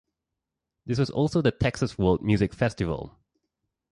This was also the Texas World Music Festival.